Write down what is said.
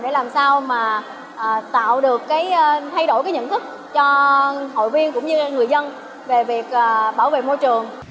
để làm sao mà tạo được cái thay đổi cái nhận thức cho hội viên cũng như người dân về việc bảo vệ môi trường